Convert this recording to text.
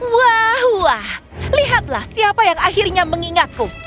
wah wah lihatlah siapa yang akhirnya mengingatku